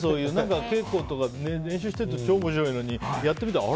稽古とか練習だと超面白いのにやってみたらあれ？